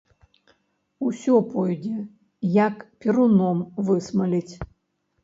Усё пойдзе, як перуном высмаліць.